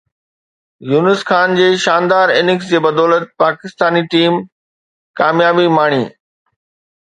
يونس خان جي شاندار اننگز جي بدولت پاڪستاني ٽيم ڪاميابي ماڻي